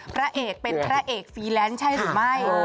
พระเอกเป็นพระเอกฟรีแลนซ์ใช่หรือไม่